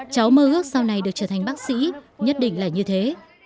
cháu mơ ước sau này được trở thành bác sĩ nhất định là như thế